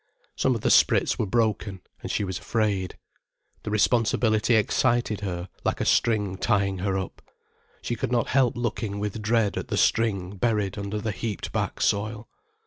Some of the sprits were broken, and she was afraid. The responsibility excited her like a string tying her up. She could not help looking with dread at the string buried under the heaped back soil.